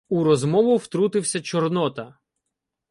У розмову втрутився Чорнота: